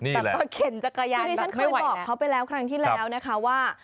นี่ใช่ไหมแบบว่าเข็นจักรยานแบบไม่ไหวนะนี่ฉันเคยบอกเขาไปแล้วครั้งที่แล้วนะคะว่า